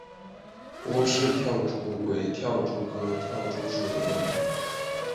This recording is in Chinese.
波氏跳蛛为跳蛛科跳蛛属的动物。